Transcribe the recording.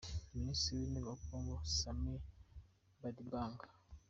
Minisitiri w’Intebe wa Congo Samy Badibanga